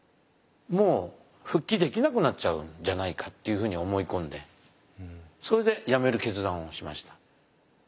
もう復帰できなくなっちゃうんじゃないかっていうふうに思い込んでそれでやめる決断をしました。